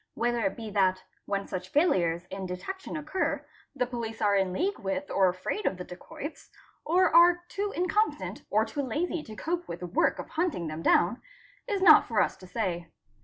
Whether it be that, when such failures in detection occur, the police are in league with or afraid of the dacoits, or are too incompetent or too lazy to cope with the work of hunting them down, is not for us to say.